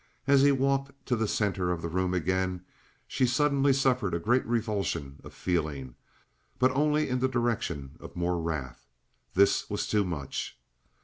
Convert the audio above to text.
As he walked to the center of the room again she suddenly suffered a great revulsion of feeling, but only in the direction of more wrath. This was too much.